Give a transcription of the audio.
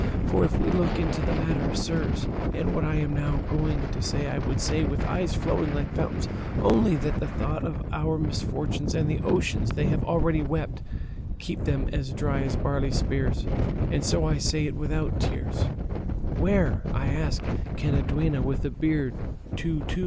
For if we look into the matter, sirs (and what I am now going to say I would say with eyes flowing like fountains, only that the thought of our misfortune and the oceans they have already wept, keep them as dry as barley spears, and so I say it without tears), where, I ask, can a duenna with a beard go to?